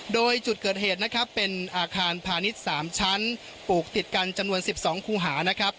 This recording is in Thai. โดยจุดเกิดเหตุนะครับเป็นอาคารพาณิชย์๓ชั้นปลูกติดกันจำนวน๑๒คูหานะครับ